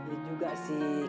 ini juga sih